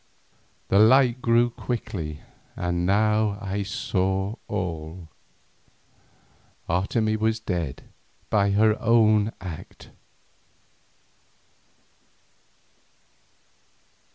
The light grew quickly, and now I saw all. Otomie was dead, and by her own act.